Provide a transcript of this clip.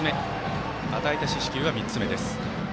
与えた四死球は３つ目です。